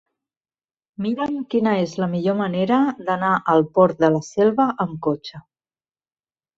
Mira'm quina és la millor manera d'anar al Port de la Selva amb cotxe.